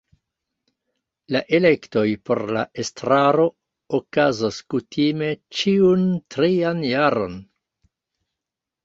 La elektoj por la estraro okazos kutime ĉiun trian jaron.